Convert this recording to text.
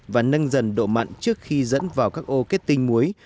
và nâng dần độ mặn trước khi dẫn vào các ô kết tinh muối